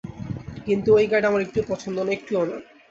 কিন্তু ঐ গাইড আমার একটুও পছন্দ না, একটুও না।